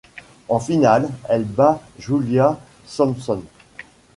En finale, elle bat Julia Sampson.